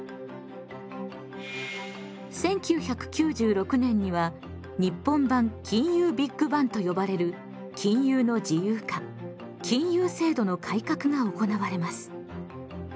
１９９６年には日本版金融ビッグバンと呼ばれる金融の自由化金融制度の改革が行われます。